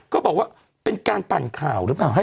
ก็บอกว่าเป็นการปั่นข่าวหรือเปล่าฮะ